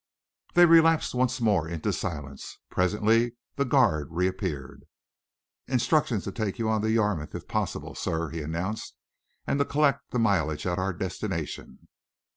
They relapsed once more into silence. Presently the guard reappeared. "Instructions to take you on to Yarmouth, if possible, sir," he announced, "and to collect the mileage at our destination."